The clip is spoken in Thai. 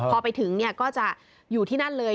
พอไปถึงก็จะอยู่ที่นั่นเลย